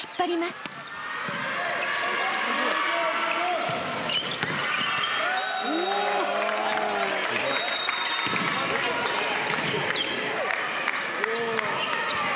すごい。